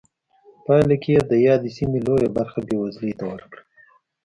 پایله کې یې د یادې سیمې لویه برخه بېوزلۍ ته ورکړه.